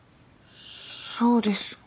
そうですか。